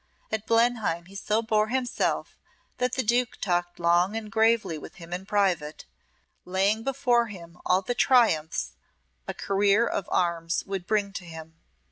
At Blenheim he so bore himself that the Duke talked long and gravely with him in private, laying before him all the triumphs a career of arms would bring to him.